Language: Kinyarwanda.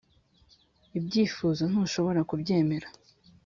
ibyifuzo ntushobora kubyemera